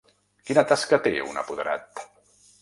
Quina tasca té un apoderat?